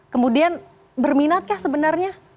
kemudian berminat kah sebenarnya